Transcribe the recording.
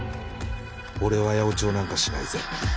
「俺は八百長なんかしないぜ」。